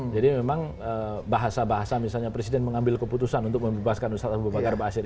jadi memang bahasa bahasa misalnya presiden mengambil keputusan untuk membebaskan ustaz abu bakar ba'asyir